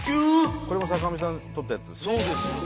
これも坂上さん撮ったやつですね。